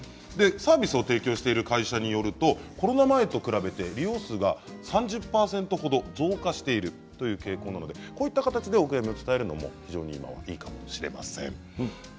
サービスを提供している会社によるとコロナ前に比べて利用数が３０％ほど増加しているという傾向なのでこういう形で伝えるのもいいかもしれません。